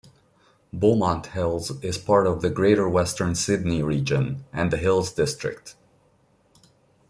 Beaumont Hills is part of the Greater Western Sydney region and the Hills District.